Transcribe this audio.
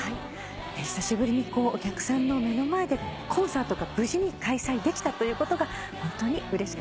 久しぶりにお客さんの目の前でコンサートが無事に開催できたのが本当にうれしかったです。